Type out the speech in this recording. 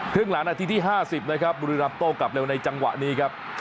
เครื่องหลานอาทิตย์ที่ห้าสิบนะครับบุรีรัมย์โตกลับเร็วในจังหวะนี้ครับ